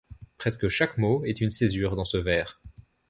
Presque chaque mot est une césure dans ce vers.